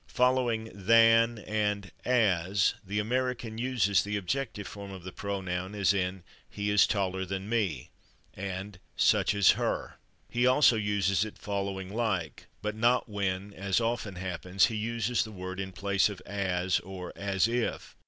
Following /than/ and /as/ the American uses the objective form of the pronoun, as in "he is taller than /me/" and "such as /her/." [Pg224] He also uses it following /like/, but not when, as often happens, he uses the word in place of /as/ or /as if